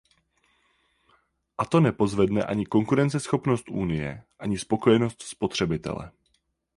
A to nepozvedne ani konkurenceschopnost Unie ani spokojenost spotřebitele.